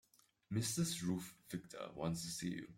Mrs. Ruth Victor wants to see you.